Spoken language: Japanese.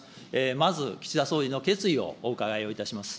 まず岸田総理の決意をお伺いをいたします。